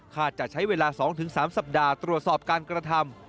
จะใช้เวลา๒๓สัปดาห์ตรวจสอบการกระทำ